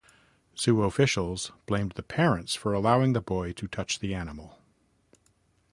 Zoo officials blamed the parents for allowing the boy to touch the animal.